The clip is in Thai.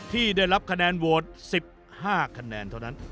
ที่ได้รับคะแนนโหวต๑๕คะแนนเท่านั้น